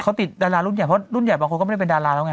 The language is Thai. เขาติดดารารุ่นใหญ่เพราะรุ่นใหญ่บางคนก็ไม่ได้เป็นดาราแล้วไง